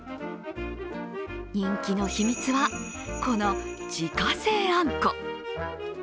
人気の秘密は、この自家製あんこ。